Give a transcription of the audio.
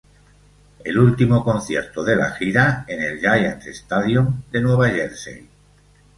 El último concierto de la gira en el Giants Stadium de Nueva Jersey.